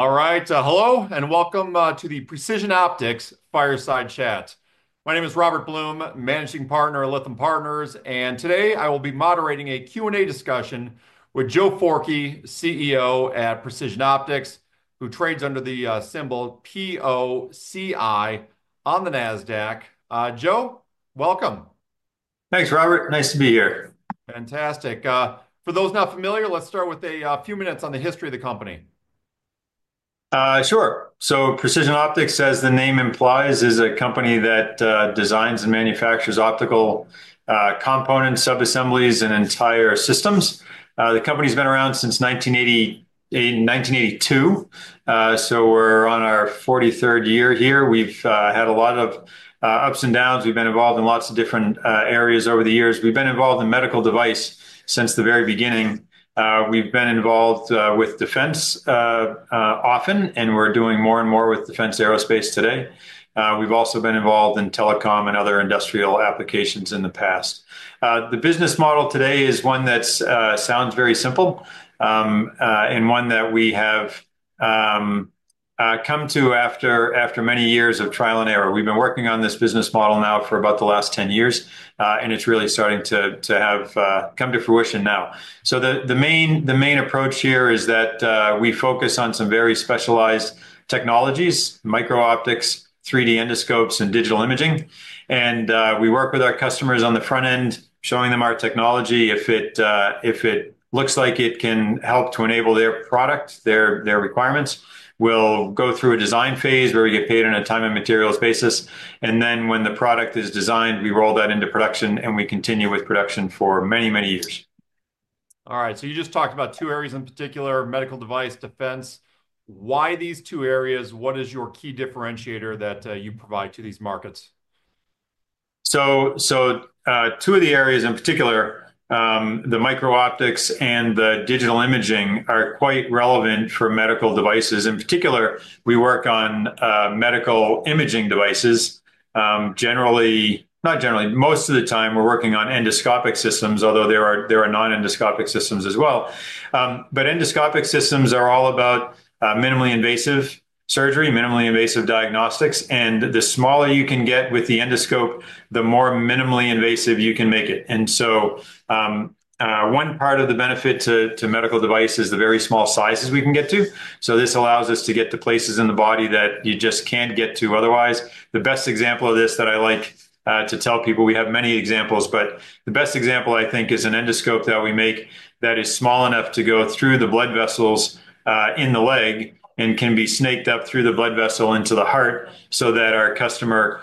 All right, hello and welcome to the Precision Optics Fireside Chat. My name is Robert Blum, Managing Partner at Lytham Partners, and today I will be moderating a Q&A discussion with Joe Forkey, CEO at Precision Optics, who trades under the symbol POCI on the Nasdaq. Joe, welcome. Thanks, Robert. Nice to be here. Fantastic. For those not familiar, let's start with a few minutes on the history of the company. Sure. Precision Optics, as the name implies, is a company that designs and manufactures optical components, subassemblies, and entire systems. The company's been around since 1982, so we're on our 43rd year here. We've had a lot of ups and downs. We've been involved in lots of different areas over the years. We've been involved in medical device since the very beginning. We've been involved with defense often, and we're doing more and more with defense aerospace today. We've also been involved in telecom and other industrial applications in the past. The business model today is one that sounds very simple and one that we have come to after many years of trial and error. We've been working on this business model now for about the last 10 years, and it's really starting to come to fruition now. The main approach here is that we focus on some very specialized technologies: micro-optics, 3D endoscopes, and digital imaging. We work with our customers on the front end, showing them our technology. If it looks like it can help to enable their product, their requirements, we'll go through a design phase where we get paid on a time and materials basis. When the product is designed, we roll that into production and we continue with production for many, many years. All right. You just talked about two areas in particular: medical device, defense. Why these two areas? What is your key differentiator that you provide to these markets? Two of the areas in particular, the micro-optics and the digital imaging, are quite relevant for medical devices. In particular, we work on medical imaging devices. Generally, not generally, most of the time we're working on endoscopic systems, although there are non-endoscopic systems as well. Endoscopic systems are all about minimally invasive surgery, minimally invasive diagnostics, and the smaller you can get with the endoscope, the more minimally invasive you can make it. One part of the benefit to medical devices is the very small sizes we can get to. This allows us to get to places in the body that you just can't get to otherwise. The best example of this that I like to tell people, we have many examples, but the best example I think is an endoscope that we make that is small enough to go through the blood vessels in the leg and can be snaked up through the blood vessel into the heart so that our customer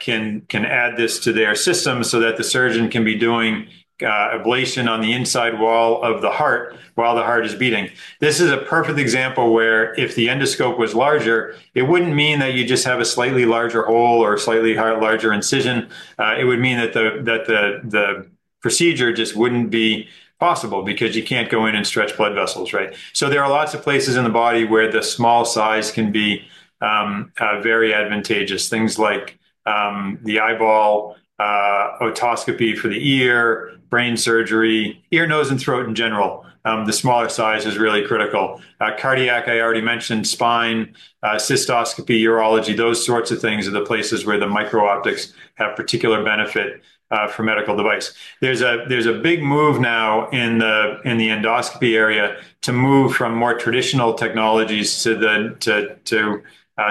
can add this to their system so that the surgeon can be doing ablation on the inside wall of the heart while the heart is beating. This is a perfect example where if the endoscope was larger, it wouldn't mean that you just have a slightly larger hole or a slightly larger incision. It would mean that the procedure just wouldn't be possible because you can't go in and stretch blood vessels, right? There are lots of places in the body where the small size can be very advantageous. Things like the eyeball, otoscopy for the ear, brain surgery, ear, nose, and throat in general. The smaller size is really critical. Cardiac, I already mentioned, spine, cystoscopy, urology, those sorts of things are the places where the micro-optics have particular benefit for medical device. There is a big move now in the endoscopy area to move from more traditional technologies to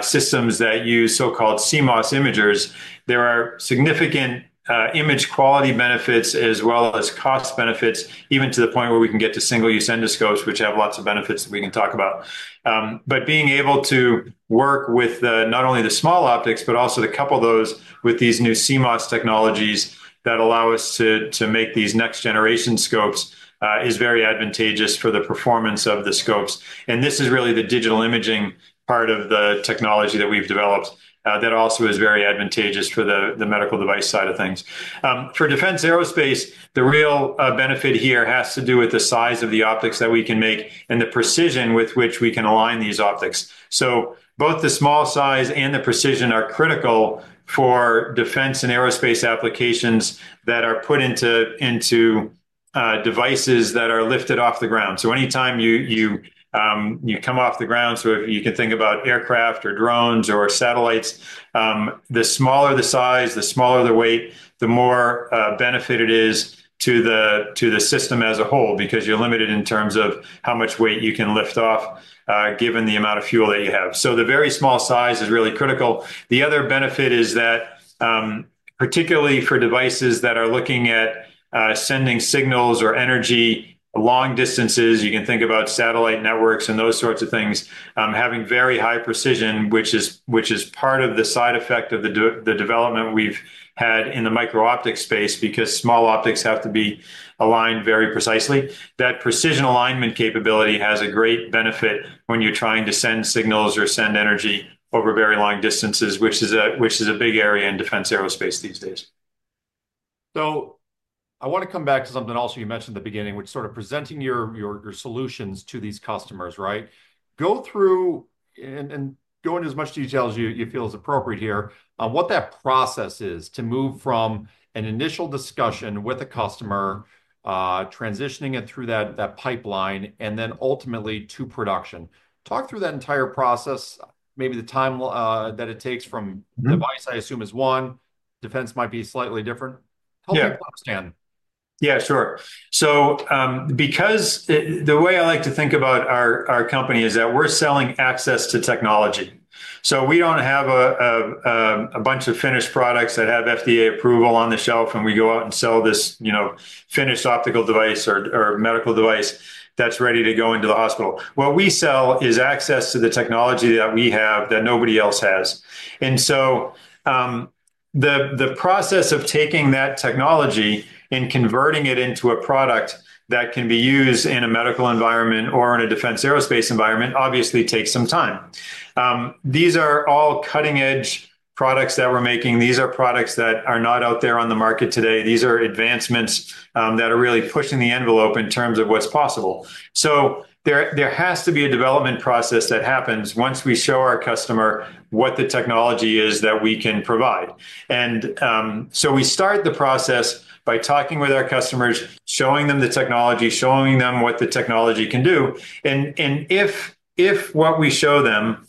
systems that use so-called CMOS imagers. There are significant image quality benefits as well as cost benefits, even to the point where we can get to single-use endoscopes, which have lots of benefits that we can talk about. Being able to work with not only the small optics, but also to couple those with these new CMOS technologies that allow us to make these next-generation scopes is very advantageous for the performance of the scopes. This is really the digital imaging part of the technology that we've developed that also is very advantageous for the medical device side of things. For defense aerospace, the real benefit here has to do with the size of the optics that we can make and the precision with which we can align these optics. Both the small size and the precision are critical for defense and aerospace applications that are put into devices that are lifted off the ground. Anytime you come off the ground, if you can think about aircraft or drones or satellites, the smaller the size, the smaller the weight, the more benefit it is to the system as a whole because you're limited in terms of how much weight you can lift off given the amount of fuel that you have. The very small size is really critical. The other benefit is that particularly for devices that are looking at sending signals or energy long distances, you can think about satellite networks and those sorts of things, having very high precision, which is part of the side effect of the development we've had in the micro-optics space because small optics have to be aligned very precisely. That precision alignment capability has a great benefit when you're trying to send signals or send energy over very long distances, which is a big area in defense aerospace these days. I want to come back to something else you mentioned at the beginning, which sort of presenting your solutions to these customers, right? Go through and go into as much detail as you feel is appropriate here on what that process is to move from an initial discussion with a customer, transitioning it through that pipeline, and then ultimately to production. Talk through that entire process, maybe the time that it takes from device, I assume is one. Defense might be slightly different. Tell me about that. Yeah, sure. The way I like to think about our company is that we're selling access to technology. We don't have a bunch of finished products that have FDA approval on the shelf, and we go out and sell this finished optical device or medical device that's ready to go into the hospital. What we sell is access to the technology that we have that nobody else has. The process of taking that technology and converting it into a product that can be used in a medical environment or in a defense aerospace environment obviously takes some time. These are all cutting-edge products that we're making. These are products that are not out there on the market today. These are advancements that are really pushing the envelope in terms of what's possible. There has to be a development process that happens once we show our customer what the technology is that we can provide. We start the process by talking with our customers, showing them the technology, showing them what the technology can do. If what we show them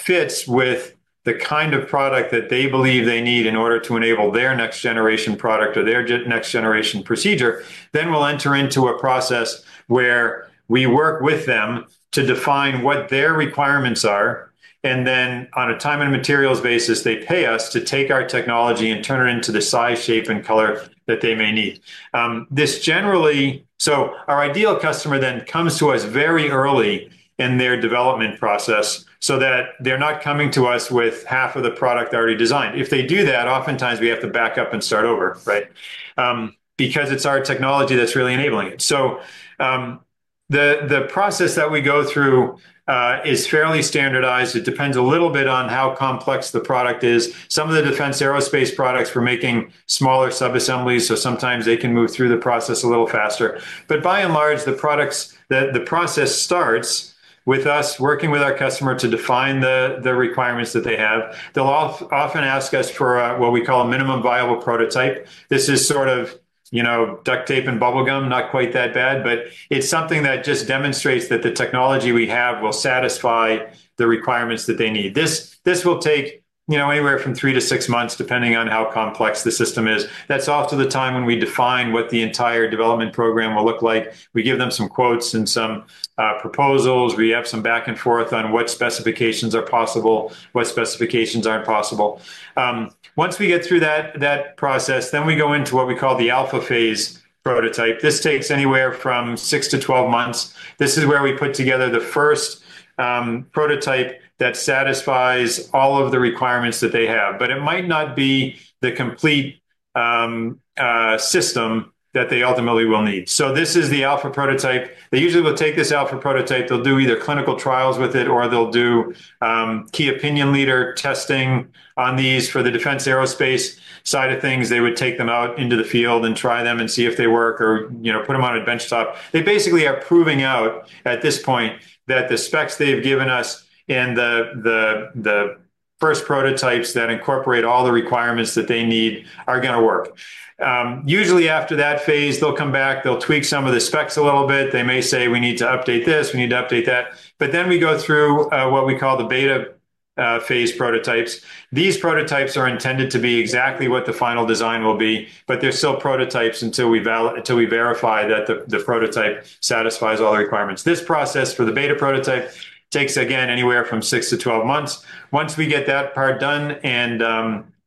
fits with the kind of product that they believe they need in order to enable their next-generation product or their next-generation procedure, we will enter into a process where we work with them to define what their requirements are. On a time and materials basis, they pay us to take our technology and turn it into the size, shape, and color that they may need. Our ideal customer then comes to us very early in their development process so that they are not coming to us with half of the product already designed. If they do that, oftentimes we have to back up and start over, right? Because it's our technology that's really enabling it. The process that we go through is fairly standardized. It depends a little bit on how complex the product is. Some of the defense aerospace products, we're making smaller subassemblies, so sometimes they can move through the process a little faster. By and large, the process starts with us working with our customer to define the requirements that they have. They'll often ask us for what we call a minimum viable prototype. This is sort of duct tape and bubblegum, not quite that bad, but it's something that just demonstrates that the technology we have will satisfy the requirements that they need. This will take anywhere from three to six months, depending on how complex the system is. That's also the time when we define what the entire development program will look like. We give them some quotes and some proposals. We have some back and forth on what specifications are possible, what specifications aren't possible. Once we get through that process, we go into what we call the alpha phase prototype. This takes anywhere from 6-12 months. This is where we put together the first prototype that satisfies all of the requirements that they have, but it might not be the complete system that they ultimately will need. This is the alpha prototype. They usually will take this alpha prototype. They'll do either clinical trials with it or they'll do key opinion leader testing on these for the defense aerospace side of things. They would take them out into the field and try them and see if they work or put them on a benchtop. They basically are proving out at this point that the specs they've given us and the first prototypes that incorporate all the requirements that they need are going to work. Usually after that phase, they'll come back, they'll tweak some of the specs a little bit. They may say, "We need to update this, we need to update that." We go through what we call the beta phase prototypes. These prototypes are intended to be exactly what the final design will be, but they're still prototypes until we verify that the prototype satisfies all the requirements. This process for the beta prototype takes, again, anywhere from 6-12 months. Once we get that part done and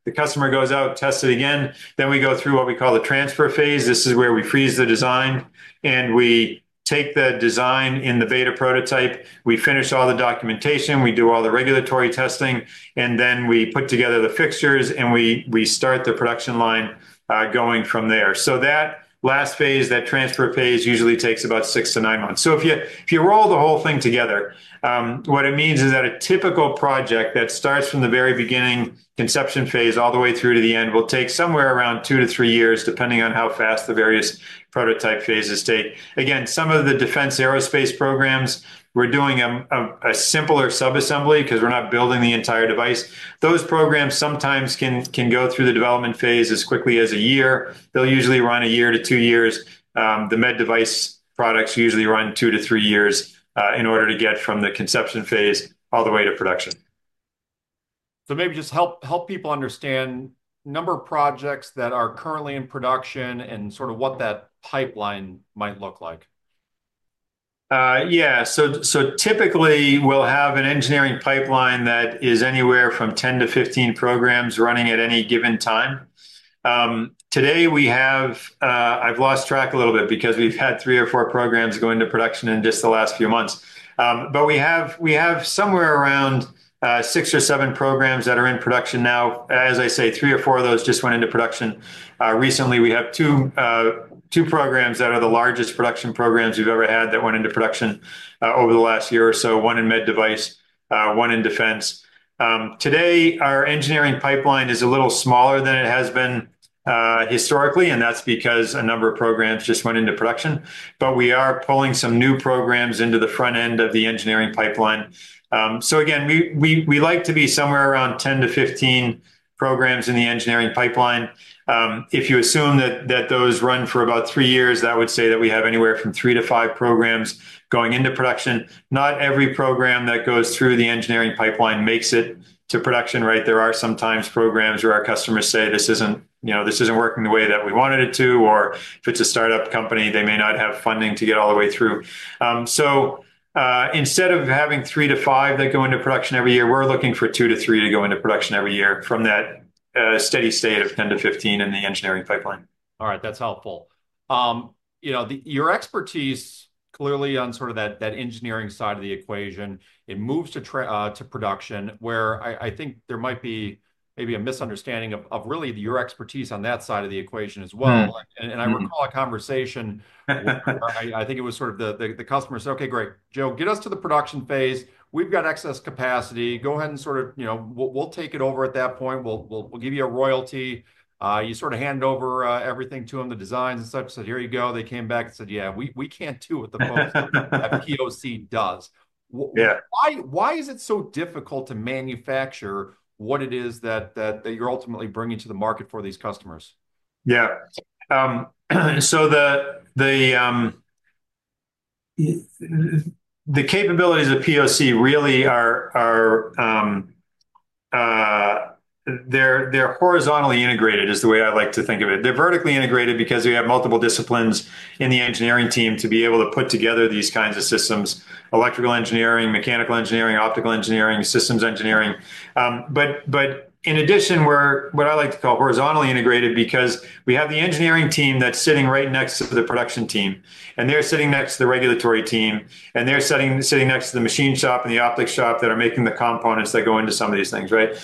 the customer goes out, tests it again, we go through what we call the transfer phase. This is where we freeze the design and we take the design in the beta prototype. We finish all the documentation, we do all the regulatory testing, and then we put together the fixtures and we start the production line going from there. That last phase, that transfer phase usually takes about 6-9 months. If you roll the whole thing together, what it means is that a typical project that starts from the very beginning, conception phase, all the way through to the end will take somewhere around 2-3 years, depending on how fast the various prototype phases take. Again, some of the defense aerospace programs, we're doing a simpler subassembly because we're not building the entire device. Those programs sometimes can go through the development phase as quickly as a year. They'll usually run a year to two years. The med device products usually run 2-3 years in order to get from the conception phase all the way to production. Maybe just help people understand number of projects that are currently in production and sort of what that pipeline might look like. Yeah. Typically we'll have an engineering pipeline that is anywhere from 10-15 programs running at any given time. Today we have, I've lost track a little bit because we've had three or four programs go into production in just the last few months. We have somewhere around 6 or 7 programs that are in production now. As I say, 3 or 4 of those just went into production recently. We have 2 programs that are the largest production programs we've ever had that went into production over the last year or so, one in med device, one in defense. Today, our engineering pipeline is a little smaller than it has been historically, and that's because a number of programs just went into production. We are pulling some new programs into the front end of the engineering pipeline. Again, we like to be somewhere around 10-15 programs in the engineering pipeline. If you assume that those run for about 3 years, that would say that we have anywhere from 3-5 programs going into production. Not every program that goes through the engineering pipeline makes it to production, right? There are sometimes programs where our customers say, "This isn't working the way that we wanted it to," or if it's a startup company, they may not have funding to get all the way through. Instead of having 3-5 that go into production every year, we're looking for 2-3 to go into production every year from that steady state of 10-15 in the engineering pipeline. All right, that's helpful. Your expertise clearly on sort of that engineering side of the equation, it moves to production where I think there might be maybe a misunderstanding of really your expertise on that side of the equation as well. I recall a conversation, I think it was sort of the customer said, "Okay, great. Joe, get us to the production phase. We've got excess capacity. Go ahead and sort of we'll take it over at that point. We'll give you a royalty." You sort of hand over everything to them, the designs and such. I said, "Here you go." They came back and said, "Yeah, we can't do it the most. POC does." Why is it so difficult to manufacture what it is that you're ultimately bringing to the market for these customers? Yeah. The capabilities of POC really are they're horizontally integrated is the way I like to think of it. They're vertically integrated because we have multiple disciplines in the engineering team to be able to put together these kinds of systems: electrical engineering, mechanical engineering, optical engineering, systems engineering. In addition, we're what I like to call horizontally integrated because we have the engineering team that's sitting right next to the production team, and they're sitting next to the regulatory team, and they're sitting next to the machine shop and the optics shop that are making the components that go into some of these things, right?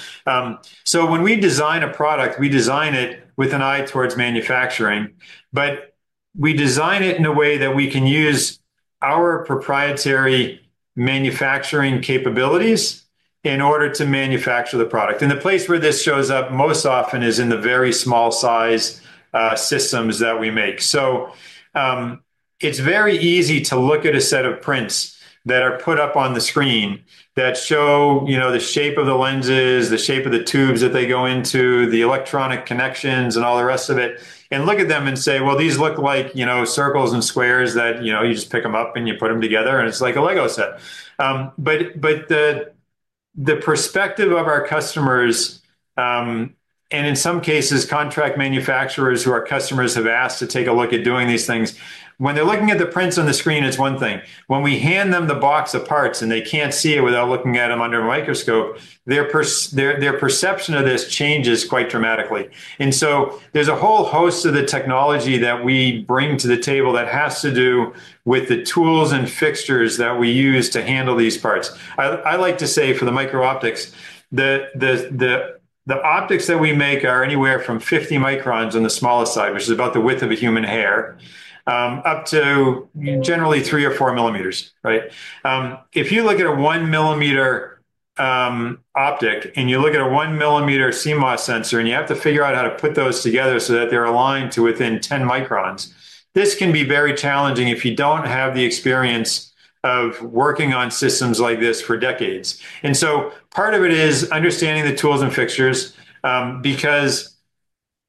When we design a product, we design it with an eye towards manufacturing, but we design it in a way that we can use our proprietary manufacturing capabilities in order to manufacture the product. The place where this shows up most often is in the very small size systems that we make. It is very easy to look at a set of prints that are put up on the screen that show the shape of the lenses, the shape of the tubes that they go into, the electronic connections and all the rest of it, and look at them and say, "Well, these look like circles and squares that you just pick them up and you put them together, and it's like a Lego set." The perspective of our customers and in some cases, contract manufacturers who our customers have asked to take a look at doing these things, when they're looking at the prints on the screen, it's one thing. When we hand them the box of parts and they can't see it without looking at them under a microscope, their perception of this changes quite dramatically. There is a whole host of the technology that we bring to the table that has to do with the tools and fixtures that we use to handle these parts. I like to say for the micro-optics, the optics that we make are anywhere from 50 microns on the smallest side, which is about the width of a human hair, up to generally 3 or 4 millimeters, right? If you look at a 1 millimeter optic and you look at a 1 millimeter CMOS sensor and you have to figure out how to put those together so that they're aligned to within 10 microns, this can be very challenging if you don't have the experience of working on systems like this for decades. Part of it is understanding the tools and fixtures because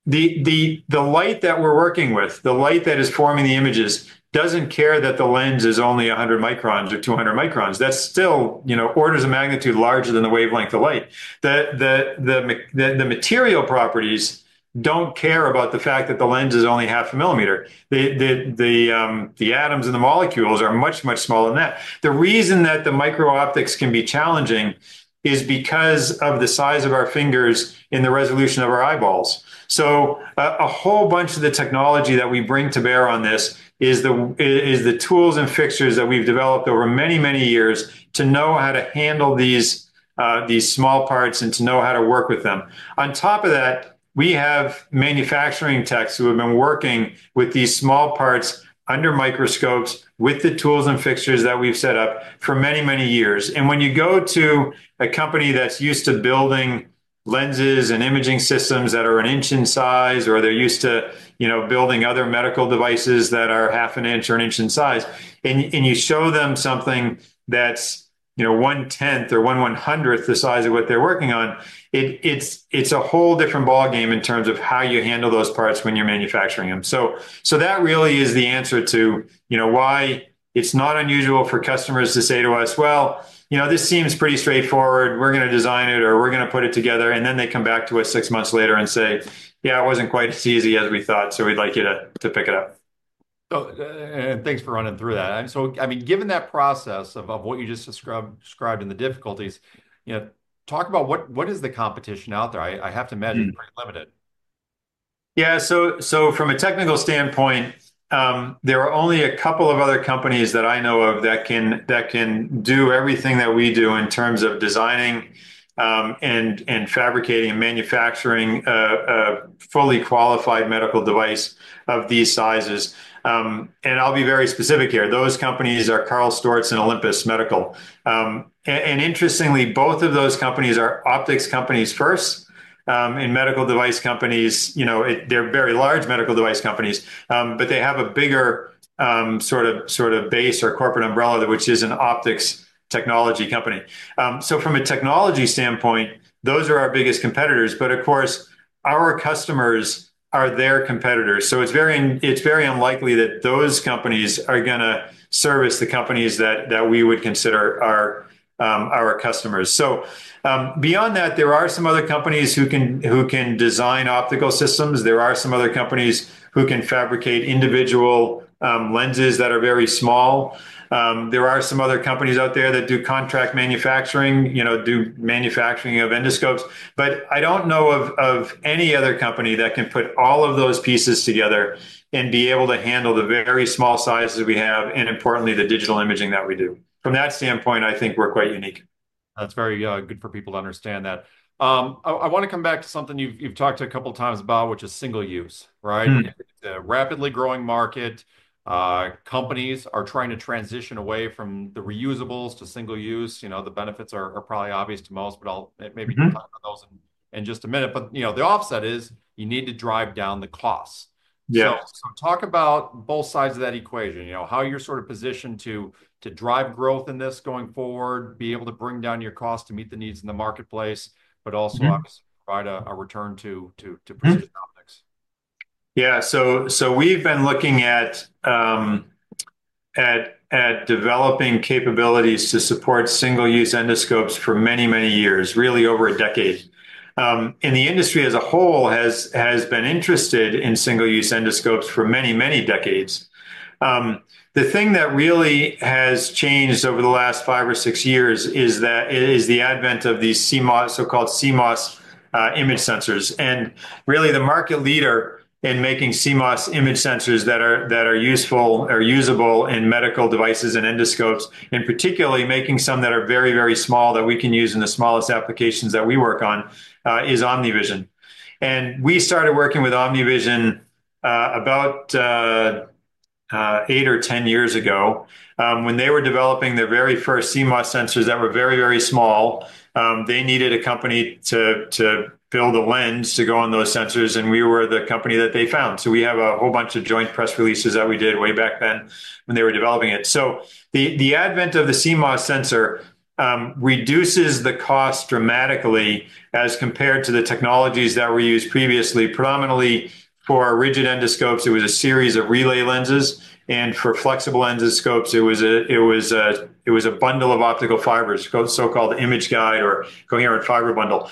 the light that we're working with, the light that is forming the images, doesn't care that the lens is only 100 microns or 200 microns. That's still orders of magnitude larger than the wavelength of light. The material properties don't care about the fact that the lens is only half a millimeter. The atoms and the molecules are much, much smaller than that. The reason that the micro-optics can be challenging is because of the size of our fingers and the resolution of our eyeballs. A whole bunch of the technology that we bring to bear on this is the tools and fixtures that we've developed over many, many years to know how to handle these small parts and to know how to work with them. On top of that, we have manufacturing techs who have been working with these small parts under microscopes with the tools and fixtures that we've set up for many, many years. When you go to a company that's used to building lenses and imaging systems that are an inch in size or they're used to building other medical devices that are half an inch or an inch in size, and you show them something that's 1/10 or 1/100 the size of what they're working on, it's a whole different ballgame in terms of how you handle those parts when you're manufacturing them. That really is the answer to why it's not unusual for customers to say to us, "This seems pretty straightforward. We're going to design it or we're going to put it together." They come back to us six months later and say, "Yeah, it wasn't quite as easy as we thought, so we'd like you to pick it up. Thanks for running through that. I mean, given that process of what you just described and the difficulties, talk about what is the competition out there? I have to imagine it's pretty limited. Yeah. So from a technical standpoint, there are only a couple of other companies that I know of that can do everything that we do in terms of designing and fabricating and manufacturing a fully qualified medical device of these sizes. I'll be very specific here. Those companies are Karl Storz and Olympus Medical. Interestingly, both of those companies are optics companies first. In medical device companies, they're very large medical device companies, but they have a bigger sort of base or corporate umbrella, which is an optics technology company. From a technology standpoint, those are our biggest competitors. Of course, our customers are their competitors. It is very unlikely that those companies are going to service the companies that we would consider our customers. Beyond that, there are some other companies who can design optical systems. There are some other companies who can fabricate individual lenses that are very small. There are some other companies out there that do contract manufacturing, do manufacturing of endoscopes. I don't know of any other company that can put all of those pieces together and be able to handle the very small sizes we have and, importantly, the digital imaging that we do. From that standpoint, I think we're quite unique. That's very good for people to understand that. I want to come back to something you've talked to a couple of times about, which is single use, right? Rapidly growing market, companies are trying to transition away from the reusables to single use. The benefits are probably obvious to most, but maybe we'll talk about those in just a minute. The offset is you need to drive down the costs. Talk about both sides of that equation, how you're sort of positioned to drive growth in this going forward, be able to bring down your cost to meet the needs in the marketplace, but also obviously provide a return to Precision Optics. Yeah. We have been looking at developing capabilities to support single-use endoscopes for many, many years, really over a decade. The industry as a whole has been interested in single-use endoscopes for many, many decades. The thing that really has changed over the last five or six years is the advent of these so-called CMOS image sensors. Really the market leader in making CMOS image sensors that are useful or usable in medical devices and endoscopes, and particularly making some that are very, very small that we can use in the smallest applications that we work on, is OmniVision. We started working with OmniVision about eight or ten years ago when they were developing their very first CMOS sensors that were very, very small. They needed a company to build a lens to go on those sensors, and we were the company that they found. We have a whole bunch of joint press releases that we did way back then when they were developing it. The advent of the CMOS sensor reduces the cost dramatically as compared to the technologies that were used previously, predominantly for rigid endoscopes. It was a series of relay lenses. For flexible endoscopes, it was a bundle of optical fibers, so-called image guide or coherent fiber bundle.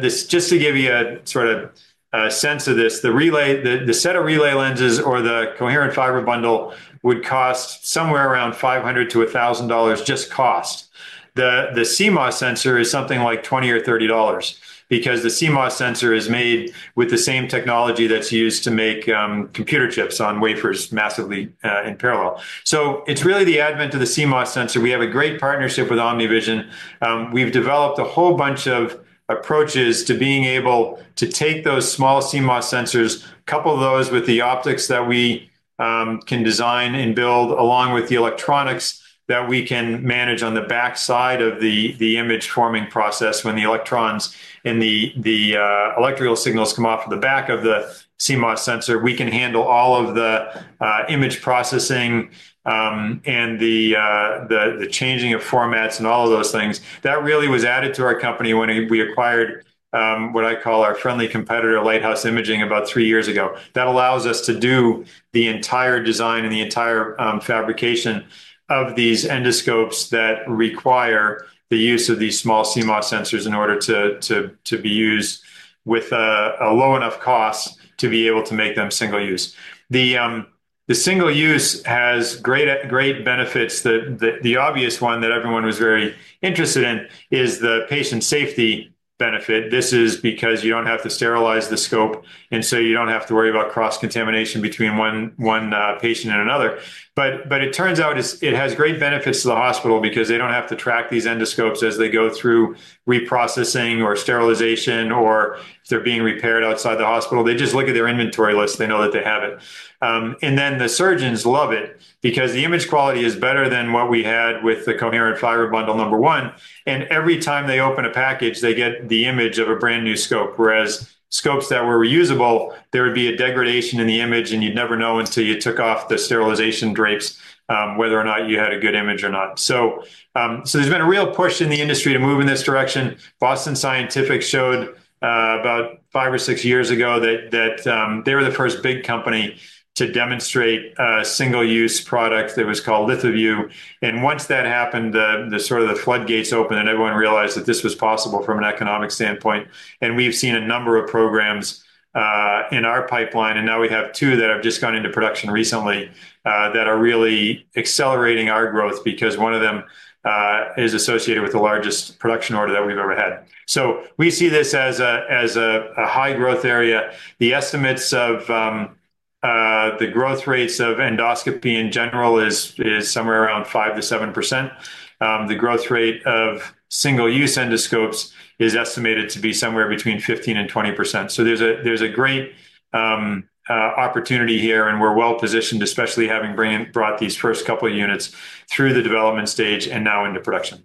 Just to give you a sort of sense of this, the set of relay lenses or the coherent fiber bundle would cost somewhere around $500 to $1,000 just cost. The CMOS sensor is something like $20 or $30 because the CMOS sensor is made with the same technology that's used to make computer chips on wafers massively in parallel. It's really the advent of the CMOS sensor. We have a great partnership with OmniVision. We've developed a whole bunch of approaches to being able to take those small CMOS sensors, couple those with the optics that we can design and build, along with the electronics that we can manage on the backside of the image forming process when the electrons and the electrical signals come off of the back of the CMOS sensor. We can handle all of the image processing and the changing of formats and all of those things. That really was added to our company when we acquired what I call our friendly competitor, Lighthouse Imaging, about three years ago. That allows us to do the entire design and the entire fabrication of these endoscopes that require the use of these small CMOS sensors in order to be used with a low enough cost to be able to make them single use. The single use has great benefits. The obvious one that everyone was very interested in is the patient safety benefit. This is because you don't have to sterilize the scope, and so you don't have to worry about cross-contamination between one patient and another. It turns out it has great benefits to the hospital because they don't have to track these endoscopes as they go through reprocessing or sterilization or if they're being repaired outside the hospital. They just look at their inventory list. They know that they have it. The surgeons love it because the image quality is better than what we had with the coherent fiber bundle number one. Every time they open a package, they get the image of a brand new scope. Whereas scopes that were reusable, there would be a degradation in the image, and you'd never know until you took off the sterilization drapes whether or not you had a good image or not. There has been a real push in the industry to move in this direction. Boston Scientific showed about five or six years ago that they were the first big company to demonstrate a single-use product that was called LithoVue. Once that happened, sort of the floodgates opened and everyone realized that this was possible from an economic standpoint. We have seen a number of programs in our pipeline, and now we have two that have just gone into production recently that are really accelerating our growth because one of them is associated with the largest production order that we've ever had. We see this as a high growth area. The estimates of the growth rates of endoscopy in general is somewhere around 5-7%. The growth rate of single-use endoscopes is estimated to be somewhere between 15-20%. There is a great opportunity here, and we're well positioned, especially having brought these first couple of units through the development stage and now into production.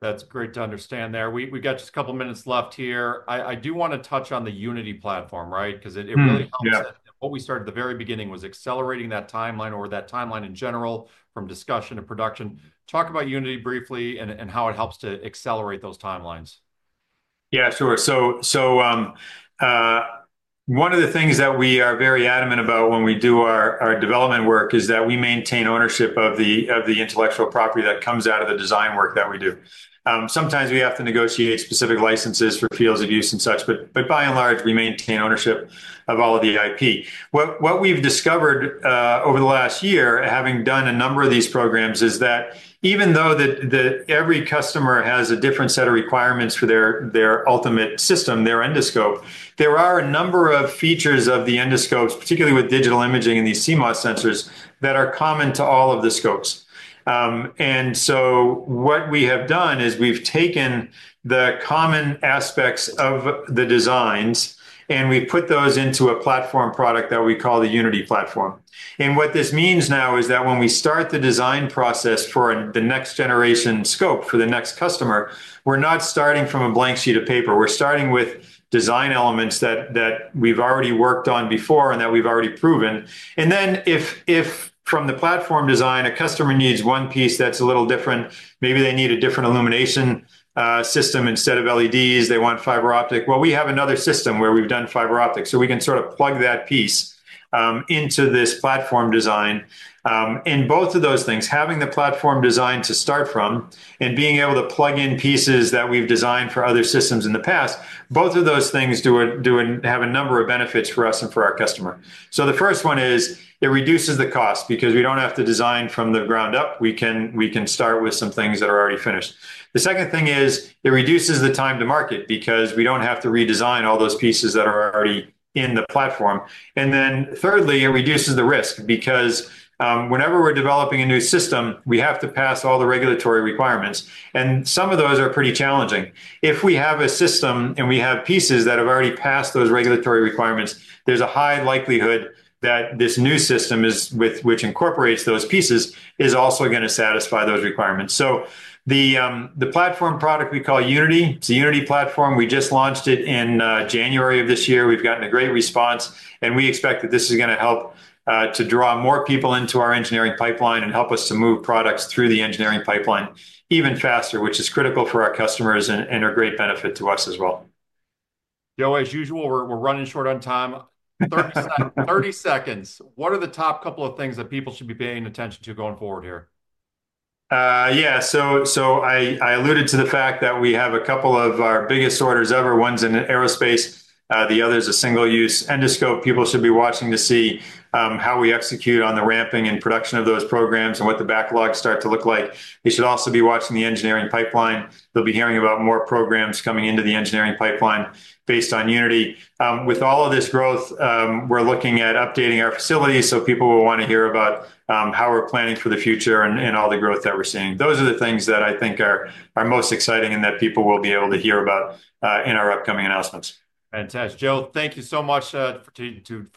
That's great to understand there. We've got just a couple of minutes left here. I do want to touch on the Unity platform, right? Because it really helps that what we started at the very beginning was accelerating that timeline or that timeline in general from discussion to production. Talk about Unity briefly and how it helps to accelerate those timelines. Yeah, sure. One of the things that we are very adamant about when we do our development work is that we maintain ownership of the intellectual property that comes out of the design work that we do. Sometimes we have to negotiate specific licenses for fields of use and such, but by and large, we maintain ownership of all of the IP. What we've discovered over the last year, having done a number of these programs, is that even though every customer has a different set of requirements for their ultimate system, their endoscope, there are a number of features of the endoscopes, particularly with digital imaging and these CMOS sensors, that are common to all of the scopes. What we have done is we've taken the common aspects of the designs and we've put those into a platform product that we call the Unity platform. What this means now is that when we start the design process for the next generation scope for the next customer, we're not starting from a blank sheet of paper. We're starting with design elements that we've already worked on before and that we've already proven. If from the platform design, a customer needs one piece that's a little different, maybe they need a different illumination system instead of LEDs, they want fiber optic, we have another system where we've done fiber optic. We can sort of plug that piece into this platform design. Both of those things, having the platform design to start from and being able to plug in pieces that we've designed for other systems in the past, both of those things have a number of benefits for us and for our customer. The first one is it reduces the cost because we don't have to design from the ground up. We can start with some things that are already finished. The second thing is it reduces the time to market because we don't have to redesign all those pieces that are already in the platform. Thirdly, it reduces the risk because whenever we're developing a new system, we have to pass all the regulatory requirements. Some of those are pretty challenging. If we have a system and we have pieces that have already passed those regulatory requirements, there's a high likelihood that this new system, which incorporates those pieces, is also going to satisfy those requirements. The platform product we call Unity, it's a Unity platform. We just launched it in January of this year. We've gotten a great response, and we expect that this is going to help to draw more people into our engineering pipeline and help us to move products through the engineering pipeline even faster, which is critical for our customers and a great benefit to us as well. Joe, as usual, we're running short on time. Thirty seconds. What are the top couple of things that people should be paying attention to going forward here? Yeah. I alluded to the fact that we have a couple of our biggest orders ever. One's in aerospace. The other is a single-use endoscope. People should be watching to see how we execute on the ramping and production of those programs and what the backlogs start to look like. They should also be watching the engineering pipeline. They'll be hearing about more programs coming into the engineering pipeline based on Unity. With all of this growth, we're looking at updating our facilities so people will want to hear about how we're planning for the future and all the growth that we're seeing. Those are the things that I think are most exciting and that people will be able to hear about in our upcoming announcements. Fantastic. Joe, thank you so much for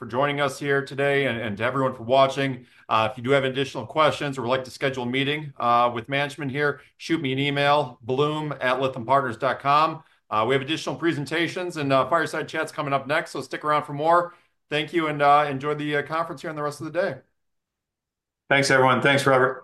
joining us here today and to everyone for watching. If you do have additional questions or would like to schedule a meeting with management here, shoot me an email, blum@lythampartners.com. We have additional presentations and fireside chats coming up next, so stick around for more. Thank you and enjoy the conference here and the rest of the day. Thanks, everyone. Thanks, Robert.